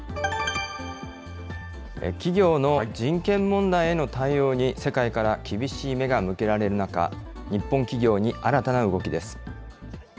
企業の人権問題への対応に世界から厳しい目が向けられる中、日本企業に新たな動きです。